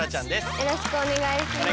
よろしくお願いします。